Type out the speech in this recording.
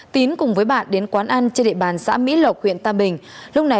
tín cùng với bạn đến quán ăn trên địa bàn xã mỹ lộc huyện tam bình